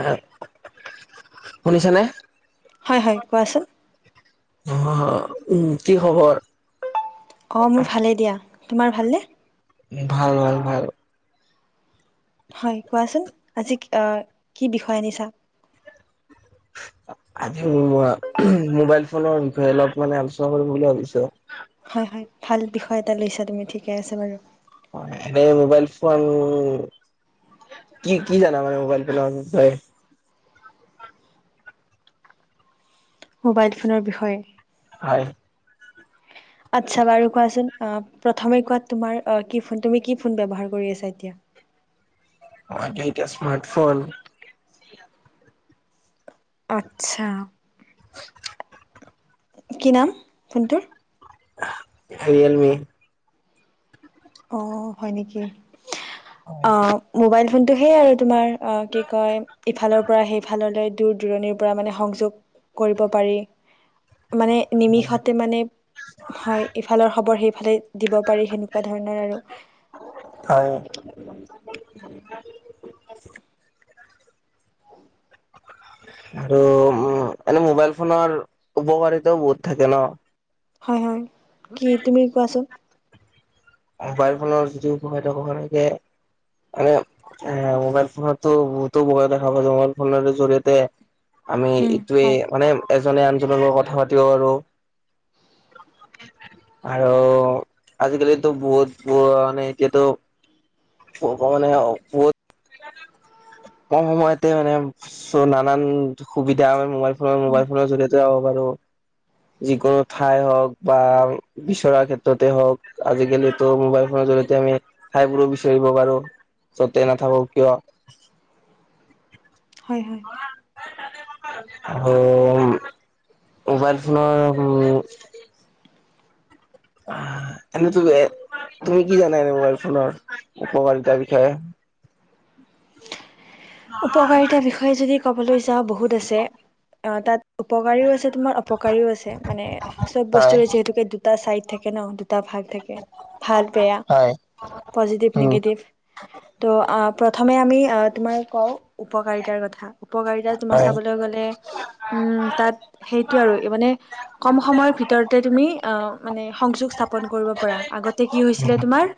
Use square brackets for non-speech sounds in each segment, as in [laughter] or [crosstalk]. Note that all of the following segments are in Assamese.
এহে, শুনিছানে? হয় হয়, কোৱাচোন। অহ হ, উম কি খবৰ? অহ মোৰ ভালে দিয়া, তোমাৰ ভালনে? ভাল ভাল ভাল। হয় কোৱাচোন আজি অ কি বিষয় আনিছা? [inaudible] আজি মোৰ আ' মোবাইল ফোনৰ বিষয়ে অলপ মানে আলোচনা কৰিম বুলি ভাবিছো। হয় ভাল বিষয় এটা লৈছা তুমি ঠিকে আছে বাৰু। অ' এনে মোবাইল ফোন কি কি জানা মানে মোবাইল ফোনৰ বিষয়ে? মোবাইল ফোনৰ বিষয়ে? হয়। আট্চা বাৰু কোৱাচোন অ প্ৰথমে কোৱা তোমাৰ অ' কি ফোন? তুমি কি ফোন ব্যৱহাৰ কৰি আছা এতিয়া? অ' মইটো এতিয়া স্মাৰ্ট ফোন আত্ছা। কি নাম ফোনটোৰ? অহ ৰিয়েলমি। অ' হয় নেকি? হয়, অ' মোবাইল ফোনটো সেই আৰু তোমাৰ অ' কি কয় ইফালৰ পৰা সেইফাললৈ দূৰ-দূৰণিৰ পৰা মানে সংযোগ কৰিব পাৰি। মানে নিমিষতে মানে, হয় ইফালৰ খবৰ সেইফালে দিব পাৰি সেনেকুৱাত ধৰণৰ আৰু। হয় [inaudible] [inaudible] আৰু উম এনে মোবাইল ফোনৰ উপকাৰিতাও বহুত থাকে ন! হয় হয়। কি তুমি কোৱাচোন? মোবাইল ফোনৰ যিটো উপ [unintelligible] থাকে মানে মোবাইল ফোনতো বহুতো বয়া দেখা পাই মোবাইল ফোনৰ জৰি়য়তে আমি উম ইটোৱে হয় মানে এজনে আনজনৰ লগত কথা পাতিব পাৰো। আৰু আজিকালিত ত' বহুত মানে এতিয়াতো ভগবানে বহুত কম সময়তে মানে চ' নানান সুবিধা মোবাইল ধৰ উম মোবাইল ফোনৰ জৰিয়তে হ'ব পাৰো। যিকোনো ঠাই হওক বা বিচৰা ক্ষেত্ৰতে হওক আজিকালিতো মোবাইল ফোনত জৰিয়তে আমি ঠাইবোৰো বিচাৰিব পাৰো যতে নাথাকো কিয়। [inaudible] হয় হয়। অম। মোবাইল ফোনৰ উম এনেটোতে তুমি কি জানা এনে মোবাইল ফোনৰ উপকাৰিতাৰ বিষয়ে? উপকাৰিতাৰ বিষয়ে যদি ক'বলৈ যাওঁ বহুত আছে, আহ তাত উপকাৰীও আছে তোমাৰ অপকাৰীও আছে, মানে চব হয় বস্তুৰে যিহেতুকে দুটা চাইড থাকে ন' দু [unintelligible] ভাগ থাকে, ভাল বেয়া। হয় পজিটিভ উম নিগেটিভ ত' প্ৰথমে আমি আহ, তোমাৰ কওঁ উপকাৰিতাৰ কথা উপকাৰিতা তোমাৰ হয় চাবলৈ গ'লে উম, তাত সেইটো আৰু মানে কম সময়ৰ ভিতৰতে তুমি আহ মানে সংযোগ স্থাপন কৰিব পাৰা। আগতে কি হৈছিলে তোমাৰ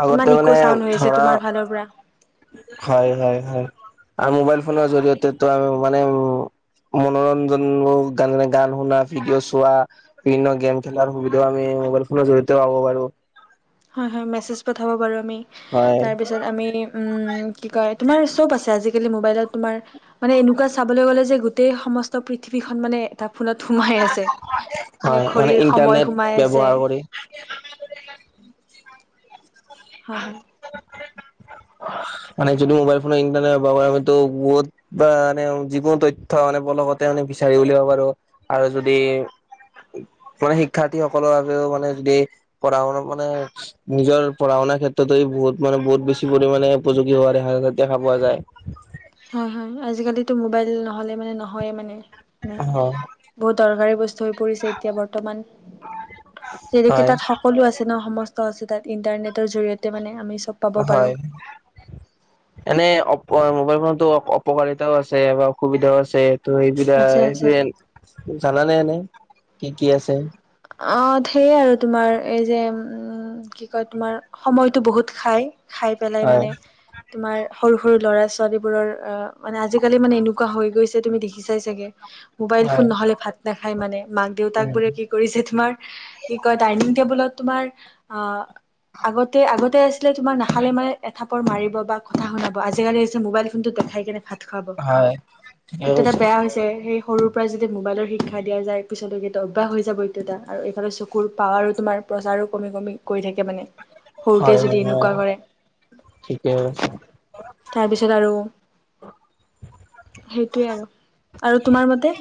আগতে ইমান মানে ইক' চাউণ্ড হৈ আছে ধৰা, তোমাৰ ফালৰ পৰা হয় হয় হয়। আৰু মোবাইল ফোনৰ জৰিয়তেতো আমি মানে উ মনোৰঞ্জনোৰ গান শুনা ভিডিঅ' চোৱা বিভিন্ন গেম খেলাৰ সুবিধাও আমি মোবাইল ফোনৰ জৰি়তেও পাব বাৰু। হয় হয় মেছেজ পঠাব পাৰো আমি, হয় তাৰপাছত আমি উম, কি কয় তোমাৰ চব আছে আজিকালি মোবাইলত তোমাৰ, মানে এনেকুৱা চাবলৈ গ'লে যে গোটেই সমস্ত পৃথিৱীখন মানে [unintelligible] ফোনত সোমাই আছে হয় নে মানে ঘড়ীৰ সময় ইণ্টাৰনেট সোমাই আছে। ব্যৱহাৰ [inaudible] হয় হয়। [unintelligible] মানে যদি মোবাইল ফোনে ইণ্টাৰনেটো [unintelligible] যিকোনো তথ্য মানে [unintelligible] মানে বিচাৰি উলিয়াব পাৰো আৰু যদি মানে শিক্ষাৰ্থী সকলৰ বাবেও মানে যদি পঢ়া শুনা মানে নিজৰ পঢ়া শুনা [unintelligible] ক্ষেত্ৰত বহুত মানে বহুত বেছি পৰিমাণে উপযোগী [unintelligible] দেখা পোৱা যায়। হয় হয় [unintelligible] মোবাইল নহলে মানে নহয়ে মানে, অ বহুত দৰকাৰী বস্তু হৈ পৰিছে এতিয়া বৰ্তমান, যিহেতুকে হয় তাত সকলো আছে ন সম আছে, তাত ইণ্টাৰনেটৰ জৰিয়তে মানে আমি চব পাব পাৰো হয়, এনে অপ-মোবাইল ফোন টো, অপকাৰিতায়ো আছে বা অসুবিধাও আছে। ত' আছে এইবিলাক আছে [unintelligible] জানানে এনে কি, কি আছে? আ, সেইয়ে আৰু তোমাৰ এই যে, উম কি কয়, তোমাৰ সময়টো বহুত খাই, খাই পেলাই হয় মানে তোমাৰ সৰু, সৰু ল'ৰা ছোৱালীবোৰৰ অ', মানে আজিকালি মানে এনেকুৱা হৈ গৈছে, তুমি দেখি চাই চাগে। মোবাইল ফোন হয় নহ'লে ভাত নাখাই মানে, মাক, উম দেউতাকবোৰে কি কৰিছে তোমাৰ কি কয়, ডাইনিং টেবুলত তোমাৰ অ' আগতে, আগতে আছিলে তোমাক নাখালে মানে এঠাপৰ মাৰিব, বা কথা শুনাব আজিকালি হৈছে মোবাইল ফোনটো দে খাই কেনে ভাত খুৱাব, হয় ঠিকে সেইটো এটা কৈছা বেয়া হৈছে সেই সৰুৰ পৰা যেতিয়া মোবাইলৰ শিক্ষা দিয়া যায়, পিছলৈকেতো অভ্যাস হৈ [unintelligible] আৰু ইফালে চকুৰ পাৱাৰো তোমাৰ প্ৰচাৰো কমি, কমি কৰি থাক মানে সৰুতেই যদি এনেকুৱা কৰে। ঠিকেই আছে। তাৰপিছত আৰু সেইটোৱে আৰু, আৰু তোমাৰ মতে?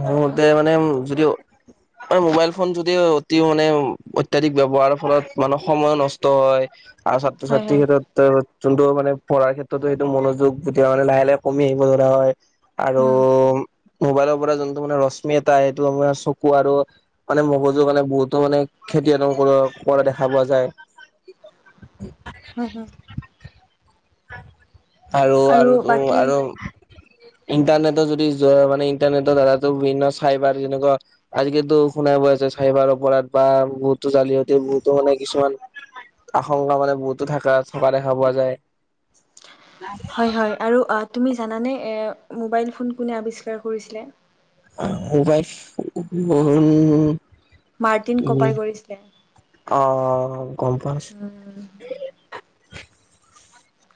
মোৰ মতে মানে যদি মোবাইল ফোন যদি অতি মানে অত্যাধিক ব্যৱহাৰৰ ফলত [unintelligible] সময়ো নষ্ট হয় আৰু ছাত্ৰ হয় হয় ছাত্ৰীৰ ক্ষেত্ৰত [unintelligible] যোনটো মানে পঢ়াৰ ক্ষেত্ৰতো সেইটো মনোযোগ যেতিয়া মানে লাহে, লাহে কমি আহিব ধৰা হয়। আৰু উম মোবাইলৰ যোনটো মানে ৰশ্মি এটা সেইটো [unintelligible] চকু আৰু মানে মগজু কাৰনে বহুতো মানে [unintelligible] [unintelligible] কৰা দেখা পোৱা যায়। হ'ম হ'ম। আৰু আৰু টো আৰু ইণ্টাৰনেটৰ যদি যোৱা মানে ইণ্টাৰনেটৰ দ্বাৰেটো বিভিন্ন চাইবাৰ যেনেকুৱা আজিকালিটো শুনাই শুনাই পোৱা হৈছা। চাইবাৰ অপৰাধ বা বহুতো জালিহতে বহুতো মানে কিছুমান আশংকা মানে বহুতো থকা থকা দেখা পোৱা যায়। হয় হয় আৰু আ তুমি জানানে এ মোবাইল ফোন কোনে আৱিষ্কাৰ কৰিছিলে? [unintelligible] মোবাইল ফোন মাৰ্টিন উম কপাৰ কৰিছিলে অ। গম পাইছো উম।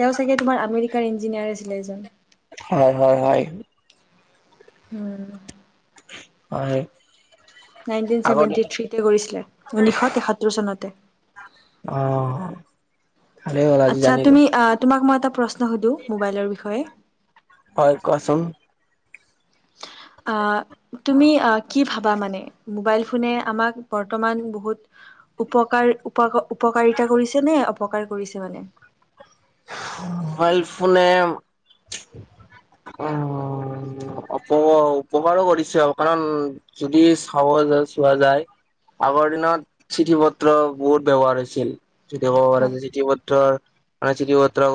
তেওঁ চাগে তোমাৰ আমেৰিকাৰ ইঞ্জিনিয়াৰ আছিলে এজন। হয় হয় হয়। উম। হয়। নাইনটিন আগতে ছেভেনটি থ্ৰীতে কৰিছিলে ঊনৈশ তেসত্তৰ চনতে। অহ। আচ্ছা তুমি আ তোমাক মই এটা প্ৰশ্ন সুধো মোবাইলৰ বিষয়ে। হয় কোৱাচোন। আ তুমি আহ কি ভাবা মানে মোবাইল ফোনে আমাক বৰ্তমান বহুত উপকাৰ উপ উপকাৰিতা কৰিছে নে অপকাৰ কৰিছে মানে? মোবাইল ফোনে উমমমম অপ্ উপকাৰো কৰিছে আৰু কাৰণ যদি চাব চোৱা যায় আগৰ দিনত চিঠি পত্ৰ বহুত ব্যৱহাৰ হৈছিল। যদি ক'ব পাৰ হয় চিতি পত্ৰ মানে চিঠি পত্ৰ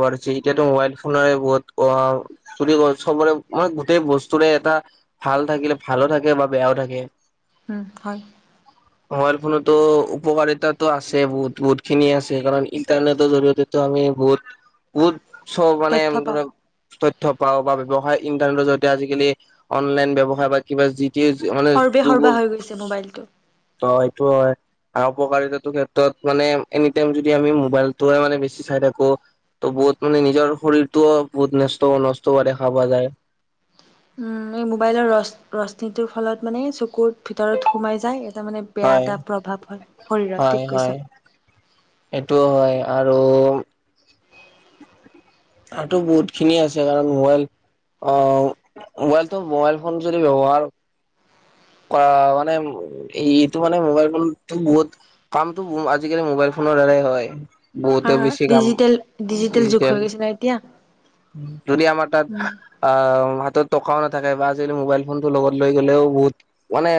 পাৰিচে এতিয়াটো মোবাইল ফোনে ব ক চব মান গোটেই বস্তুৰে এটা ভাল থাকিলে ভালো থাকে বা বেয়াও থাকে। উম, হয়। মোবাইল ফোনতো উপকাৰিতাতো আছে বহুত - বহুতখিনি আছে কাৰণ ইণ্টাৰনেটৰ জৰিয়তে আমি ভহুত বুত চ মানে তথ্য ধ পাওঁ তথ্য পাও বা ব্যয়ৱসায় ইন্টাৰনেটৰ জৰিতে আজিকালি অনলাইন ব্যয়ৱসায় বা কিবা যি মানে সৰ্বে যগ সৰ্বা হৈ গৈছে মোবাইলটো। অপকাৰিতা ক্ষেত্ৰত মানে এনি টাইম যদি আমি মোবাইলটোৱে মানে চাই থাকো ত বহুত মানে নিজৰ শৰীৰতটোও বহুত নষ্ট-নষ্ট হোৱা দেখা পোৱা যায়। [inaudible] উম, এই মোবাইলৰ ৰ ৰশ্মীটোৰ ফলত মানে চকুৰত ভিতৰত সোমাই যায়। তাৰ মানে বেয়া হয় এটা প্ৰভাৱ হয় শৰীৰত হয় ঠিক হয় কৈছা। এইটোও হয় আৰু তাতটো বহুত খিনি আছে কাৰণ মোবাইল অ, মোবাইলটো মোবাইল ফোন যদি ব্যৱহাৰ অ, মানেটো মানে মোবাইল ফোন বহুত কামটো আজিকালি মোবাইল ফোন দ্বাৰাই হয় বহুতে হয় হয় বেছি কাম ডিজিটেল যুগ ডিজিটেল হৈ গৈছে ন এতিয়া যদি আমাৰ তাত উম, আহ হাতত টকাও নাথাকে বা আজিকালি মোবাইল ফোনটো লগত লৈ গ'লেও বহুত মানে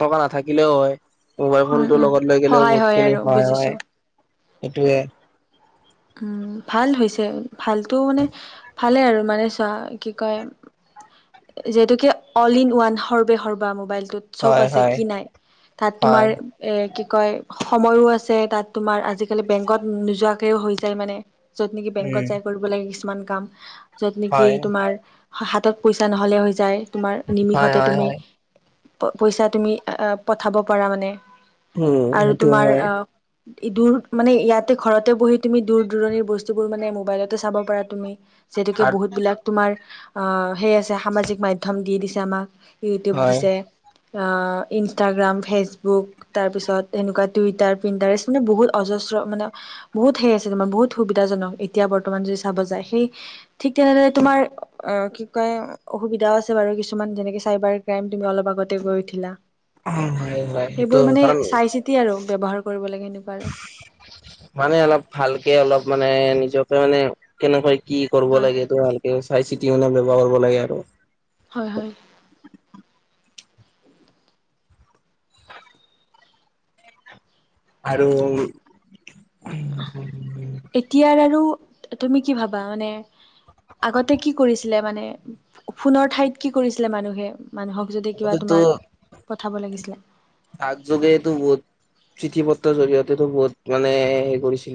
টকা নাথাকিলেও হয়। মোবাইল উম, ফোনটো উম, লগত লৈ গলেও সহায় বহুত হয় খিনি আৰু সহায় হয় বুজিছো। সেইটোৱে। উম, ভাল হৈছে ভালতটো মানে ভালে আৰু মানে চোৱা কি কয়। যিহেতু অল ইন ওৱান হৰ্বে সৰ্বা মোবাইল। চব হয়, আছে হয়। কি নাই তাত তোমাৰ হয়, এ কি কয় সময়ো আছে তাত তোমাৰ আজিকালি বেংকত নোযোৱাকেও হৈ যায় মানে। যত নেকি বেংকত উম, যাই কৰিব লাগে কিছুমান কাম যত নেকি হয়, তোমাৰ হাতত পইচা নহলে হৈ যায়। তোমাৰ হয়, নিমিষতে হয়, তুমি হয়, পইচা তুমি আহ পঠাব পাৰা মানে উম, আৰু সেইটো তোমাৰ হয়। আহ দূৰ মানে ইয়াতে ঘৰতে বহি তুমি দূৰ দূৰণিৰ বস্তুবোৰ মানে মোবাইলতে চাব পা তুমি যিহেতুকে হয়, বহুত বিলাক তুমাৰ সেই আছে সামাজিক মাধ্যম দি দিছে আমাক ইউটিউব হয়, দিছে। ইনষ্টাগ্ৰাম, ফেচবুক তাৰপিছত এনেকুৱা টুইটাৰ প্ৰিণ্টাৰচে বহুত অজস্ৰ মানে বহুত ঠাই আছে তোমাৰ বহুত সুবিধাাজনক এতিয়া বৰ্তমান যদি চাব যায়। সেই ঠিক তেনেদৰে তোমাৰ অ' কি কয় অসুবিধাও আছে বাৰু। কিছুমান যেনেকে চাইবাৰ ক্ৰাইম তুমি অলপ আগতে গৈ উঠিলা। হয়, হয়, সেইটো সেইবোৰ মানে কাৰণ চাই চিতি আৰু ব্যৱহাৰ কৰিব লাগে। এনেকুৱা আৰু মানে অলপ ভালকে অলপ মানে নিজকে মানে কেনেকৈ কি কৰিব হয় লাগে হয় তোৰ ভালকে চাই চিতি মানে ব্যৱহাৰ কৰিব লাগে আৰু হয় হয় আৰু উম। এতিয়াৰ আৰু তুমি কি ভাবা মানে? আগতে কি কৰিছিলে মানে ফোনৰ ঠাইত কি কৰিছিলে মানুহে মানুহক যদি কিবা আগতেতো তোমাৰ পঠাব লাগিছিলে। ডাক যোগেটো বহুত চিঠি পত্ৰৰ জৰিয়তেতো বহুত মানে হে কৰিছে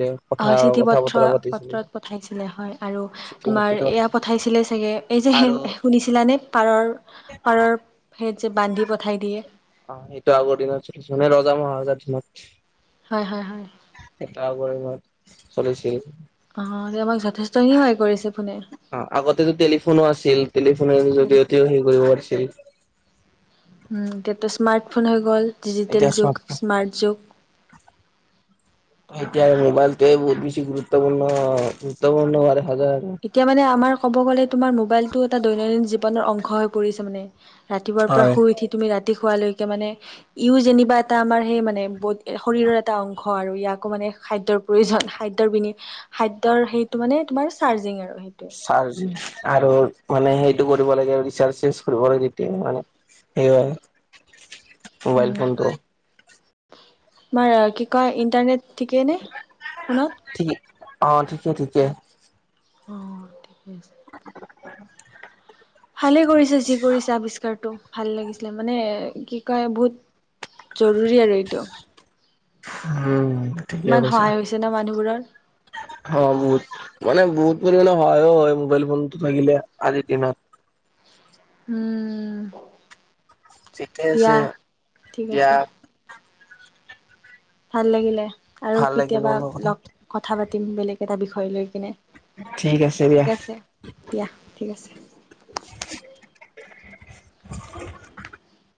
অ' চিঠি পত্ৰ পত্ৰত পঠাইছিলে হয় আৰু চিঠি তোমাৰ পত্ৰতো এয়া পঠাইছিলে চাগে এই যে আৰু হেন শুনিছিলানে পাৰৰ পাৰৰ সেইত যে বান্ধি পঠাই দিয়ে। অ' সেটো আগৰ দিনত মানে জোনে ৰজা মহাৰজা হয় দিনত হয় হয় এটা কৰিম মই চল্লিছ কেজি অ' এতিয়া আমাক যথেষ্টখিনি সহায় কৰিছে ফোনে অ' আগতেতো টেলিফোনো আছিল। টেলিফোনৰ টেলিফোন জৰিয়তেও হে কৰিব পাৰিছিল। উম, তেতোচ। স্মাৰ্টফোন হৈ গ'ল, ডিজিটেল এতিয়া যুগ, স্মাৰ্টফোন স্মাৰ্ট যুগ। এতিয়াাৰে মোবাইলটো বহুত বেছি গুৰুত্বপূৰ্ণ, গুৰুত্বপূৰ্ণ হয় পাৰে। এতিয়া মানে আমাৰ কব গ'লে তোমাৰ মোবাইলতটো এটা দৈনন্দিন জীৱনৰ অংশ হৈ পৰিছে মানে ৰাতিপুৱাৰ পৰা হয়। শুই উঠি তুমি ৰাতি ৰাতি শুৱা লৈকে মানে। ই যেনিবা এটা আমাৰ সেই মানে শৰীৰৰ এটা অংশ আৰু ইয়াকো মানে খাদ্যৰ প্ৰয়োজন। খাদ্যৰ বি খাদ্যৰ সেইটো মানে তোমাৰ চাৰ্জিং আৰু সেইটোৱে। চাৰ্জ আৰু মানে সেইটো কৰিব লাগে আৰু ৰিচাৰ্জ চে্জ কৰিব লাগে এতিয়া মানে সেয়ায়ে। মোবাইল ফোনটো। বাৰু কি কয় ইণ্টাৰনেট ঠিকেই নে ফোনত? অ' ঠিকে, ঠিকে। অ' ঠিকেই। ভালে কৰিছে যি কৰিছে আৱিষ্কাৰতটো। ভাল লাগিছিলে মানে কি কয় বহুত জৰুৰী আৰু এইটো। উম ঠিকে ইমান কৈছা। সহায় হৈছে ন মানুহবোৰৰ। [inaudible] অ' বহুত। মানে বহুত পৰিমাণে সহায়ো হয় মোবাইল ফোনতো থাকিলে আজিৰ দিনত। উম। ঠিকে আছে দিয়া ঠিক দিয়া আছে। ভাল লাগিলে আৰু ভাল লাগিল কেতিয়াবা অলপ কথা লগ, কথা পাতিম বেলেগ এটা বিষয় লৈ কিনে। ঠিক আছে দিয়া। ঠিক আছে। দিয়া ঠিক আছে। [inaudible] [inaudible]